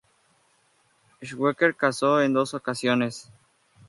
Sverker casó en dos ocasiones.